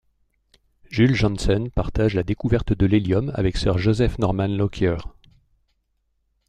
Jules Janssen partage la découverte de l'hélium avec sir Joseph Norman Lockyer.